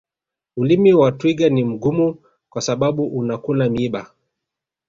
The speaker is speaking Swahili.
ulimi wa twiga ni mgumu kwa sababu anakula miiba